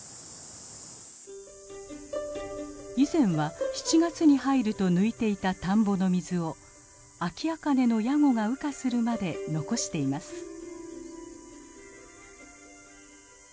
以前は７月に入ると抜いていた田んぼの水をアキアカネのヤゴが羽化するまで残しています。